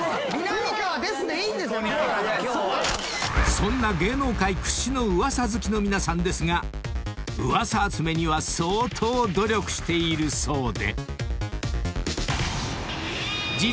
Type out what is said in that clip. ［そんな芸能界屈指の噂好きの皆さんですが噂集めには相当努力しているそうで］